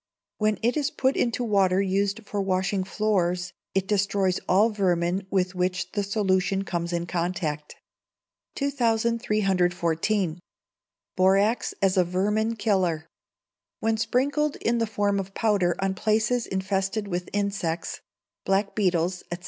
When it is put into water used for washing floors it destroys all vermin with which the solution comes in contact. 2314. Borax as a Vermin Killer. When sprinkled in the form of powder on places infested with insects, black beetles, &c.